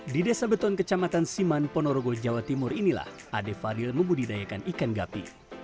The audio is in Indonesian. di desa beton kecamatan siman ponorogo jawa timur inilah ade fadil membudidayakan ikan gapi